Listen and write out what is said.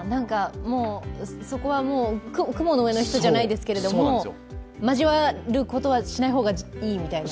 そこは、もう雲の上の人じゃないですけど、交わることはしない方がいいみたいな。